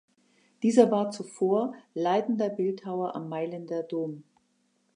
Dieser war zuvor leitender Bildhauer am Mailänder Dom.